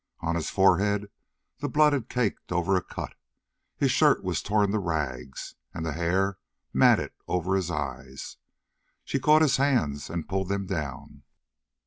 On his forehead the blood had caked over a cut; his shirt was torn to rags, and the hair matted over his eyes. She caught his hands and pulled them down.